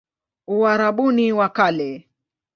Uarabuni wa Kale